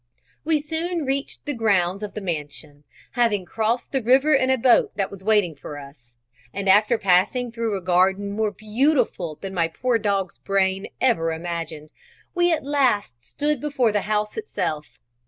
We soon reached the grounds of the mansion, having crossed the river in a boat that was waiting for us; and after passing through a garden more beautiful than my poor dog's brain had ever imagined, we at last stood before the house itself.